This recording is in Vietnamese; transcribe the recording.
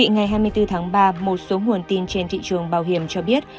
ngày hai mươi bốn tháng ba một số nguồn tin trên thị trường bảo hiểm cho biết